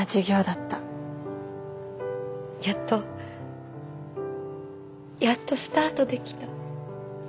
やっとやっとスタートできた。